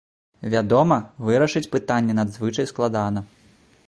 Вядома, вырашыць пытанне надзвычай складана.